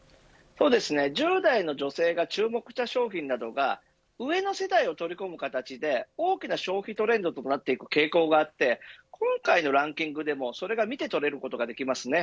１０代の女性が注目した商品などが上の世代を取り込む形で大きな消費トレンドとなっていく傾向があって今回のランキングでも、それが見て取れることができます。